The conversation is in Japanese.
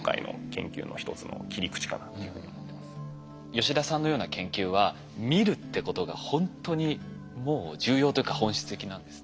吉田さんのような研究は見るってことがほんとにもう重要というか本質的なんですね。